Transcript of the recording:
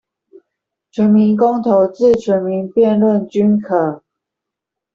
全民公投至全民辯論均可